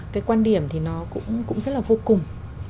cái quan điểm thì nó cũng rất là vô cùng